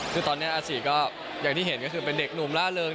คือตอนนี้อาศีก็อย่างที่เห็นก็คือเป็นเด็กหนุ่มล่าเริง